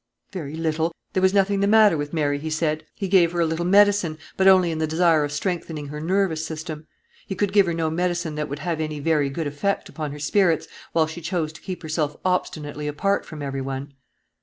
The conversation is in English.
"Very little; there was nothing the matter with Mary, he said. He gave her a little medicine, but only in the desire of strengthening her nervous system. He could give her no medicine that would have any very good effect upon her spirits, while she chose to keep herself obstinately apart from every one."